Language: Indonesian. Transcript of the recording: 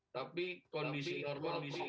tapi kondisi normal disini